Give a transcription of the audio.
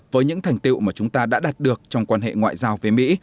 với những thành tiệu mà chúng ta đã đạt được trong quan hệ ngoại giao với mỹ